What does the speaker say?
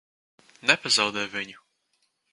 Nepazaudē viņu!